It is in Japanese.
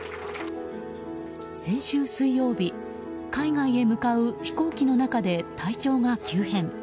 先週水曜日、海外へ向かう飛行機の中で体調が急変。